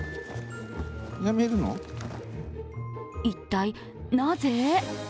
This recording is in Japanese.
一体なぜ？